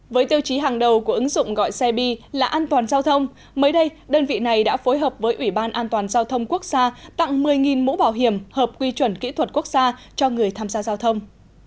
với tiêu chí hàng đầu của ứng dụng gọi xe bi là an toàn giao thông mới đây đơn vị này đã phối hợp với ủy ban an toàn giao thông quốc gia tặng một mươi mũ bảo hiểm hợp quy chuẩn kỹ thuật quốc gia cho người tham gia giao thông